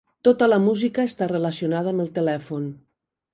Tota la música està relacionada amb el telèfon.